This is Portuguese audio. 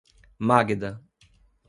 Magda